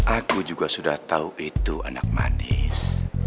aku juga sudah tahu itu anak manis